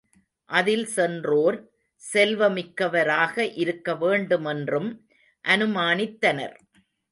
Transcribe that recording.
அதில் சென்றோர் செல்வமிக்கவராக இருக்க வேண்டுமென்றும் அனுமானித்தனர்.